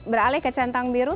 beralih ke centang biru